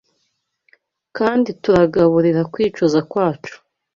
Kandi turagaburira kwicuza kwacu